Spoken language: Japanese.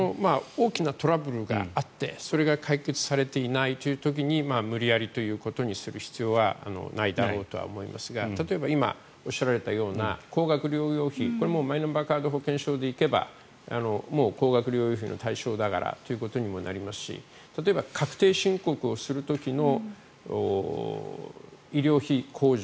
大きなトラブルがあってそれが解決されていない時に無理やりということにする必要はないだろうと思いますが例えば、今おっしゃられたような高額療養費これはマイナ保険証で行けばもう高額療養費の対象だからということにもなりますし例えば、確定申告をする時の医療費控除